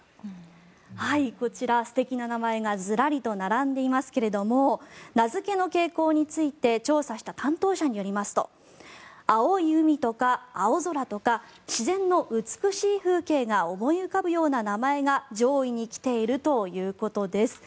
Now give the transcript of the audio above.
こちら、素敵な名前がずらりと並んでいますが名付けの傾向について調査した担当者によりますと青い海とか青空とか自然の美しい風景が思い浮かぶような名前が上位に来ているということです。